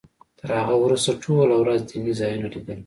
تر هغه وروسته ټوله ورځ دیني ځایونه لیدل.